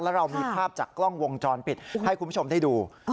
แล้วเรามีภาพจากกล้องวงจรปิดให้คุณผู้ชมได้ดู